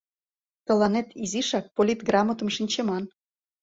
Тыланет изишак политграмотым шинчыман.